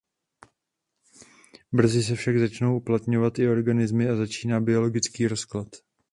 Brzy se však začnou uplatňovat i organizmy a začíná biologický rozklad.